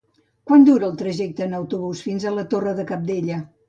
Quant dura el trajecte en autobús fins a la Torre de Cabdella?